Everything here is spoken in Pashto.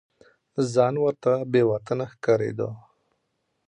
ځان ورته بې وطنه ښکارېده.